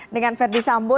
dengan ferdi sambo